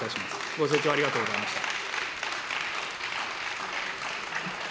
ご清聴ありがとうございました。